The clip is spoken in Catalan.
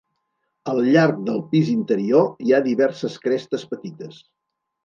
Al llarg del pis interior hi ha diverses crestes petites.